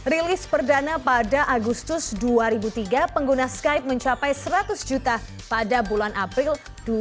rilis perdana pada agustus dua ribu tiga pengguna skype mencapai seratus juta pada bulan april dua ribu dua puluh